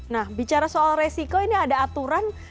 nah bicara soal resiko ini ada aturan